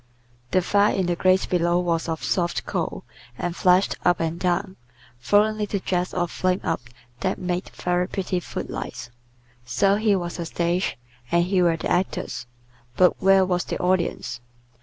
The fire in the grate below was of soft coal, and flashed up and down, throwing little jets of flame up that made very pretty foot lights. So here was a stage, and here were the actors, but where was the audience?